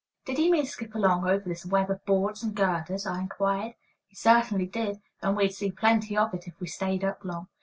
Did he mean skip along over this web of boards and girders? I inquired. He certainly did, and we'd see plenty of it, if we stayed up long.